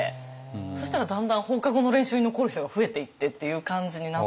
そしたらだんだん放課後の練習に残る人が増えていってっていう感じになって。